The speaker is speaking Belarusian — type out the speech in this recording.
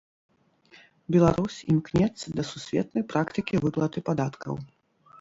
Беларусь імкнецца да сусветнай практыкі выплаты падаткаў.